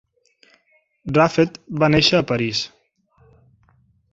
Raffet va néixer a París.